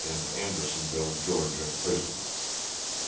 and Andersonville, Ga., prisons.